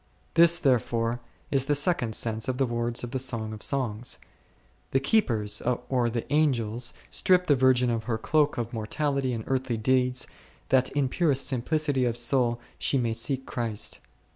This, therefore, is the second sense of the words of the Song of Songs : the keepers or the Angels strip the virgin of her cloak of mortality and earthly deeds, that in purest simplicity of soul she may seek Christ.